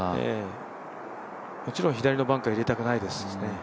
もちろん左のバンカーには入れたくないですしね。